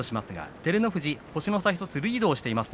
照ノ富士、星の差１つリードしています。